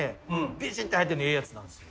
ビシッと入ってんのええやつなんですよ。